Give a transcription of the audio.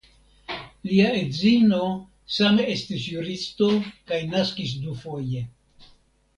Lia edzino same estis juristo kaj naskis dufoje.